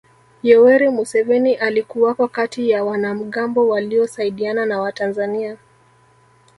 Yoweri Museveni alikuwako kati ya wanamgambo waliosaidiana na Watanzania